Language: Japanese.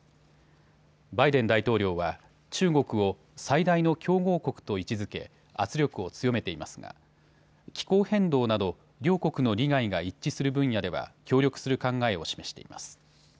バイデン大統領は中国を最大の競合国と位置づけ圧力を強めていますが気候変動など両国の利害が一致する分野では協力する考えを示しています。